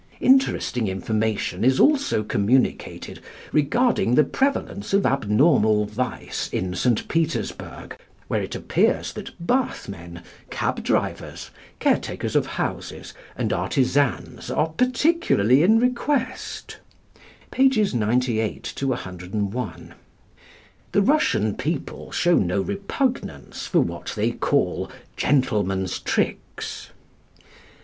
Interesting information is also communicated regarding the prevalence of abnormal vice in St. Petersburg, where it appears that bath men, cab drivers, care takers of houses, and artisans are particularly in request (pp. 98 101). The Russian people show no repugnance for what they call "gentlemen's tricks."